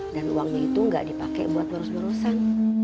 dan uangnya itu gak dipake buat berus berusan